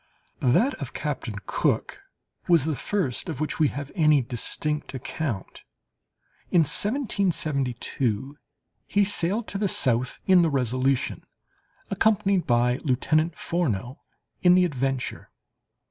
That of Captain Cook was the first of which we have any distinct account. In 1772 he sailed to the south in the Resolution, accompanied by Lieutenant Furneaux in the Adventure.